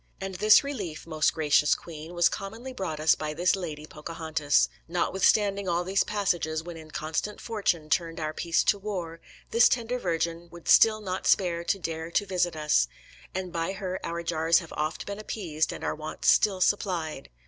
And this relief, most gracious queen, was commonly brought us by this lady, Pocahontas. Notwithstanding all these passages when inconstant fortune turned our peace to war, this tender virgin would still not spare to dare to visit us; and by her our jars have oft been appeased and our wants still supplied.